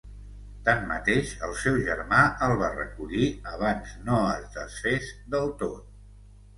Tanmateix, el seu germà el va recollir abans no es desfés del tot.